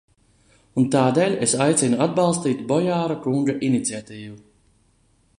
Un tādēļ es aicinu atbalstīt Bojāra kunga iniciatīvu.